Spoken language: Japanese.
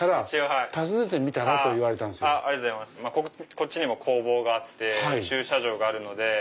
こっちにも工房があって駐車場があるので。